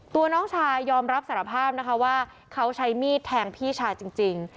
น้องชายยอมรับสารภาพนะคะว่าเขาใช้มีดแทงพี่ชายจริง